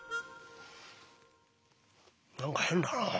何か変だな。